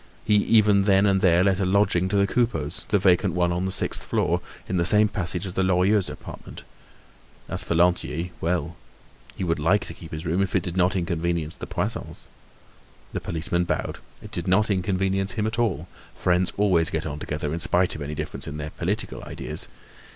He even then and there let a lodging to the Coupeaus—the vacant one on the sixth floor, in the same passage as the Lorilleuxs' apartment. As for Lantier, well! He would like to keep his room, if it did not inconvenience the Poissons. The policeman bowed; it did not inconvenience him at all; friends always get on together, in spite of any difference in their political ideas.